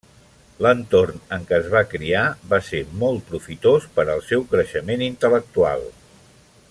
L'entorn en què es va criar va ser molt profitós per al seu creixement intel·lectual.